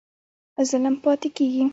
ظلم پاتی کیږي؟